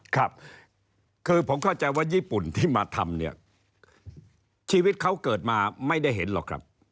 ครับคือผมเข้าใจว่าญี่ปุ่นที่มาทำเนี่ยชีวิตเขาเกิดมาไม่ได้เห็นหรอกครับ